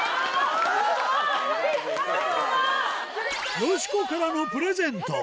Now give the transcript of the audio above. よしこからのプレゼント。